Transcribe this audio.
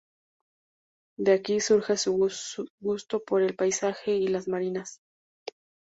De aquí surge su gusto por el paisaje y las Marinas.